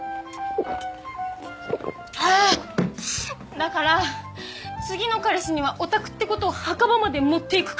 だから次の彼氏にはヲタクってことを墓場まで持っていく覚悟。